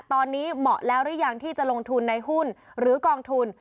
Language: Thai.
ตอนนี้เหมาะแล้วหรือยังที่จะลงทุนในหุ้นหรือกองทุน